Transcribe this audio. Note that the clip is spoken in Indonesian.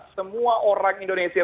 semua orang indonesia